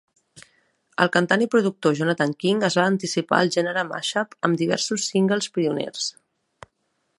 El cantant i productor Jonathan King es va anticipar al gènere mashup amb diversos singles pioners.